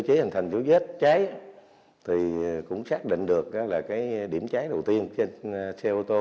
cơ chế hành thành dấu vết trái thì cũng xác định được là cái điểm trái đầu tiên trên xe ô tô